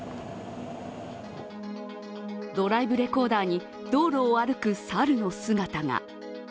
ドライブレコーダーに道路を歩く、猿の姿が。